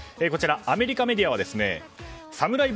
アメリカメディアはサムライ